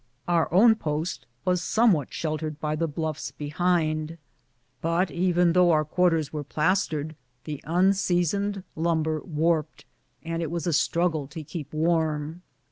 Our own post was somewhat sheltered by the bluffs behind ; but though our quarters were plastered, the un seasoned lumber warped, and it was a struggle to keep warm.